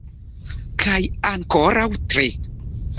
Kaj ankoraŭ tri.